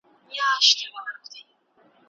هغه د سزا پر ځای اصلاح غوره ګڼله.